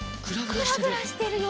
グラグラしてるよ。